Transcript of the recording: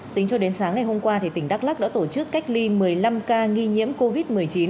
tính cho đến sáng ngày hôm qua tỉnh đắk lắc đã tổ chức cách ly một mươi năm ca nghi nhiễm covid một mươi chín